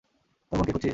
তোর বোনকে খুঁজছিস?